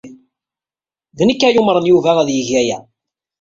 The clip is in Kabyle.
D nekk ay yumṛen Yuba ad yeg aya.